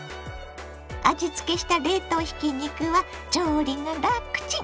味つけした冷凍ひき肉は調理がラクチン！